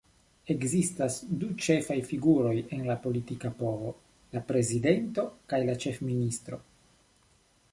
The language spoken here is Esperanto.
Ekzistas du ĉefaj figuroj en la politika povo: la prezidento kaj la ĉefministro.